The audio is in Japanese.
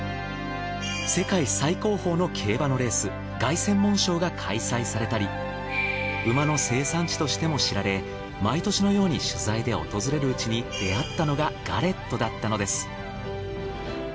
世界最高峰の競馬のレース凱旋門賞が開催されたり馬の生産地としても知られ毎年のように取材で訪れるうちに出会ったのがガレットだったのです。